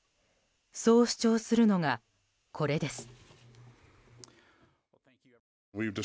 そう主張するのが、これです。